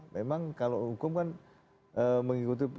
memang kalau hukum kan mengikuti